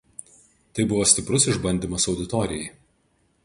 Tai buvo stiprus išbandymas auditorijai.